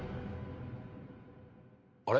あれ？